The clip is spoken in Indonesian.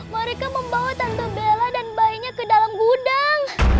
mereka membawa tante bella dan bayinya ke dalam gudang